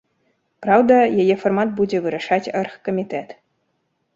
Праўда, яе фармат будзе вырашаць аргкамітэт.